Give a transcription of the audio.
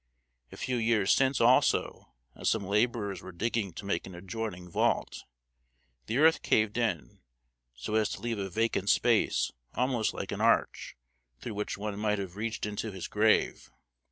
A few years since also, as some laborers were digging to make an adjoining vault, the earth caved in, so as to leave a vacant space almost like an arch, through which one might have reached into his grave.